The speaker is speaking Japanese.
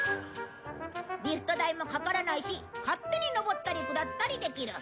リフト代もかからないし勝手に上ったり下ったりできる。